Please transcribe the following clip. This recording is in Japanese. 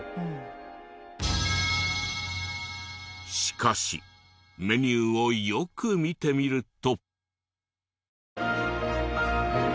しかしメニューをよく見てみると。